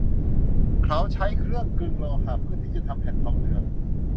เขาใช้เครื่องกลึงโลหะเพื่อที่จะทำแผ่นทองเหลือง